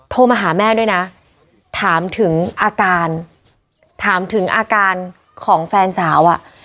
โทรมาหาแม่ด้วยนะถามถึงอาการถามถึงอาการของแฟนสาวอ่ะ